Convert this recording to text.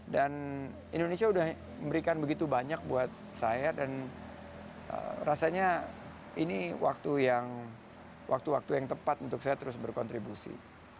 dan indonesia sudah memberikan begitu banyak buat saya dan rasanya ini waktu yang waktu waktu yang tepat untuk saya terus berkontribusi